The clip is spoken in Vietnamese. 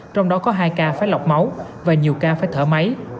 trong đó có hai ca phải lọc máu và nhiều ca phải thở máy